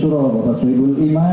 bapak soebu iman